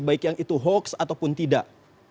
baik yang itu hoax ataupun tidak